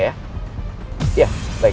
ya baik terima kasih